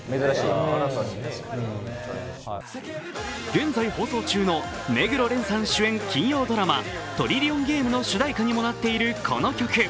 現在放送中の目黒蓮さん主演金曜ドラマ「トリリオンゲーム」の主題歌にもなっているこの曲。